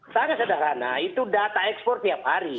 sangat sederhana itu data ekspor tiap hari